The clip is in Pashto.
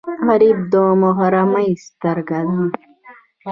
غریب د محرومۍ سترګه ده